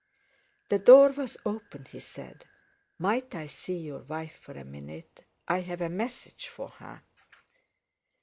"The door was open," he said. "Might I see your wife for a minute, I have a message for her?"